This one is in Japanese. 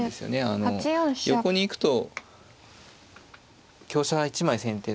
あの横に行くと香車が１枚先手。